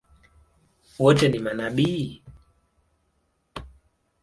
Wote ni manabii?